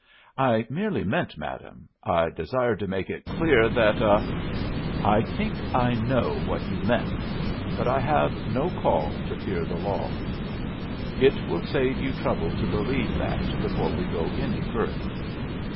"I merely meant, madam I desired to make it clear that a " "I think I know what you meant. But I have no call to fear the law. It will save you trouble to believe that before we go any further."